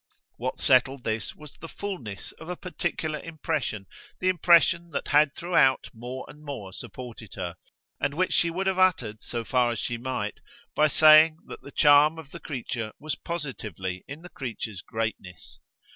What settled this was the fulness of a particular impression, the impression that had throughout more and more supported her and which she would have uttered so far as she might by saying that the charm of the creature was positively in the creature's greatness.